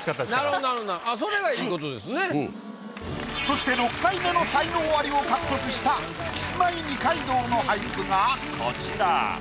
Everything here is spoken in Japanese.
そして６回目の才能アリを獲得したキスマイ二階堂の俳句がこちら。